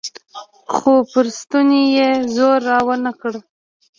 خو پر ستوني يې زور راونه کړ.